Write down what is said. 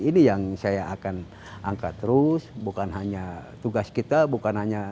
ini yang saya akan angkat terus bukan hanya tugas kita bukan hanya